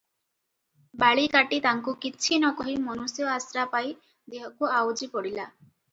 ବାଳିକାଟି ତାଙ୍କୁ କିଛି ନକହି ମନୁଷ୍ୟ ଆଶ୍ରା ପାଇ ଦେହକୁ ଆଉଜି ପଡ଼ିଲା ।